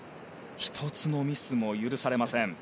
１つのミスも許されません。